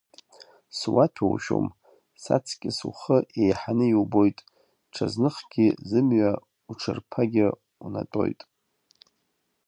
Суаҭәоушьом, саҵкьыс ухы еиҳаны иубоит, ҽазныхгьы зымҩа уҽырԥагьа унатәоит.